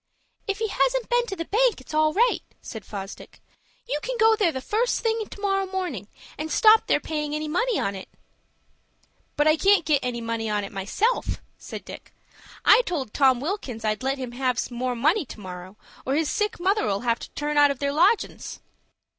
"If he hasn't been to the bank, it's all right," said Fosdick. "You can go there the first thing to morrow morning, and stop their paying any money on it." "But I can't get any money on it myself," said Dick. "I told Tom Wilkins I'd let him have some more money to morrow, or his sick mother'll have to turn out of their lodgin's."